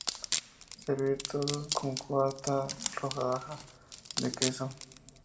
Servir todo con cuarta rodaja de queso.